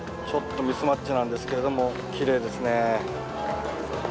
ちょっとミスマッチなんですけれども、きれいですね。